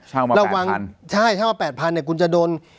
เช่ามาแปดพันใช่เช่ามาแปดพันเนี้ยคุณจะโดน